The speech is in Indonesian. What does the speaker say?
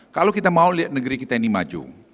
kalau kita mau lihat negeri kita ini maju